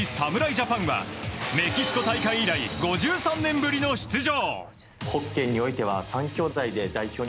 ジャパンはメキシコ大会以来５３年ぶりの出場。